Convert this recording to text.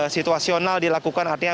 situasional dilakukan artinya